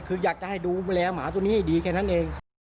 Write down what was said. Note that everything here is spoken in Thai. คืออยากจะให้ดูแลหมาตัวนี้ให้ดีแค่นั้นเอง